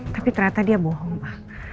tapi ternyata dia bohong ah